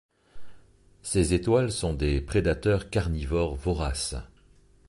Ces étoiles sont des prédateurs carnivores voraces.